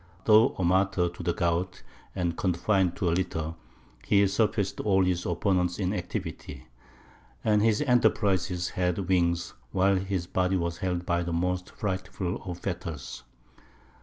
Though a martyr to the gout, and confined to a litter, he surpassed all his opponents in activity; and his enterprises had wings, while his body was held by the most frightful of fetters.